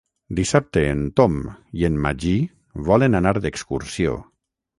Dissabte en Tom i en Magí volen anar d'excursió.